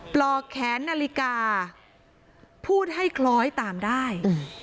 ปลอกแขนนาฬิกาพูดให้คล้อยตามได้